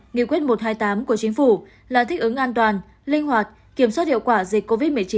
nghị quyết một trăm hai mươi tám của chính phủ là thích ứng an toàn linh hoạt kiểm soát hiệu quả dịch covid một mươi chín